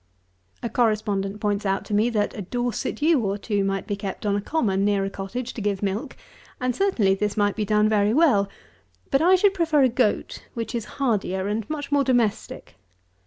A correspondent points out to me, that a Dorset ewe or two might be kept on a common near a cottage to give milk; and certainly this might be done very well; but I should prefer a goat, which is hardier and much more domestic.